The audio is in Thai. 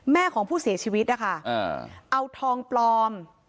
แม่ของผู้เสียชีวิตนะคะเอาทองปลอม